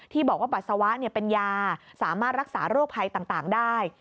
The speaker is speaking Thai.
บอกว่าปัสสาวะเป็นยาสามารถรักษาโรคภัยต่างได้